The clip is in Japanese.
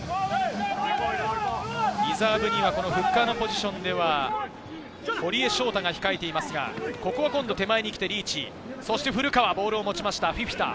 リザーブにはフッカーのポジションでは堀江翔太が控えていますが、ここは今度、手前に来て、リーチ、そして古川、ボールを持ちました。